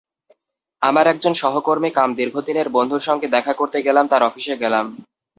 আমার একজন সহকর্মী কাম দীর্ঘদিনের বন্ধুর সঙ্গে দেখা করতে গেলাম তার অফিসে গেলাম।